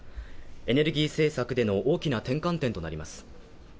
エネルギー政策での大きな転換点となります。